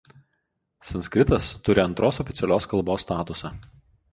Sanskritas turi antros oficialios kalbos statusą.